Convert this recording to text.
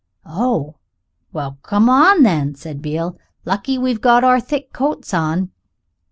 "Oh, well come on, then," said Beale; "lucky we've got our thick coats on."